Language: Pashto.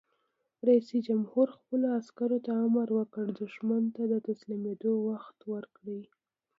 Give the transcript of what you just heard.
رئیس جمهور خپلو عسکرو ته امر وکړ؛ دښمن ته د تسلیمېدو وخت ورکړئ!